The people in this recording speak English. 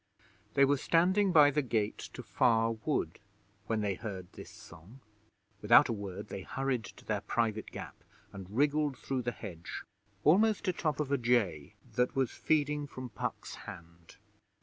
They were standing by the gate to Far Wood when they heard this song. Without a word they hurried to their private gap and wriggled through the hedge almost atop of a jay that was feeding from Puck's hand.